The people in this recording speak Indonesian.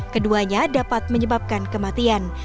keduanya dapat menyebabkan kematian